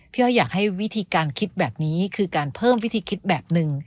อ้อยอยากให้วิธีการคิดแบบนี้คือการเพิ่มวิธีคิดแบบหนึ่ง